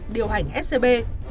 điều hành scb